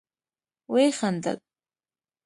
ويې خندل.